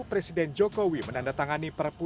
presiden jokowi menandatangani parpu